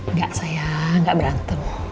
nggak sayang nggak berantem